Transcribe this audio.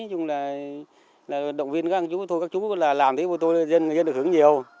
động viên các chú thôi các chú làm thì người dân được hưởng nhiều